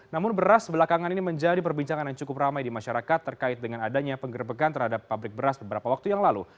namun beras belakangan ini menjadi perbincangan yang cukup ramai di masyarakat terkait dengan adanya penggerbekan terhadap pabrik beras beberapa waktu yang lalu